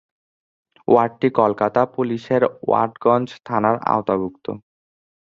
ওয়ার্ডটি কলকাতা পুলিশের ওয়াটগঞ্জ থানার আওতাভুক্ত।